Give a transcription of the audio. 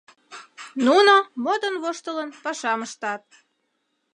Нуно, модын-воштылын, пашам ыштат.